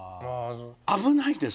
危ないです。